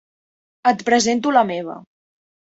Et presento la meva.